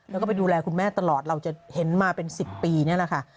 แล้วก็ไปดูแลคุณแม่ตลอดเราจะเห็นมาเป็น๑๐ปีนี่แหละค่ะ